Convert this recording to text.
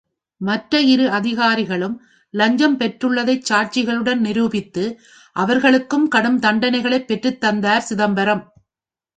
மற்ற இரு அதிகாரிகளும் லஞ்சம் பெற்றுள்ளதை சாட்சிகளுடன் நிரூபித்து, அவர்களுக்கும் கடும் தண்டனைகளைப் பெற்றுத் தந்தார் சிதம்பரம்.